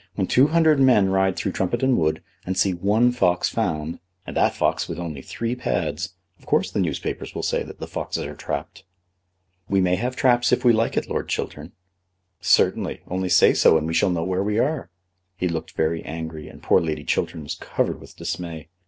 When two hundred men ride through Trumpeton Wood, and see one fox found, and that fox with only three pads, of course the newspapers will say that the foxes are trapped." "We may have traps if we like it, Lord Chiltern." "Certainly; only say so, and we shall know where we are." He looked very angry, and poor Lady Chiltern was covered with dismay.